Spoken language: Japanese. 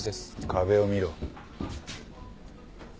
壁を見ろ。